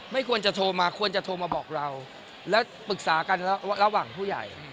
ไม่ควรจะโทรมาควรจะโทรมาบอกเราแล้วปรึกษากันระหว่างผู้ใหญ่